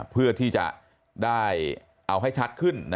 เพื่อที่จะได้เอาให้ชัดขึ้น